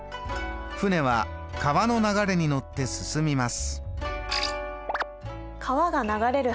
舟は川の流れに乗って進みます。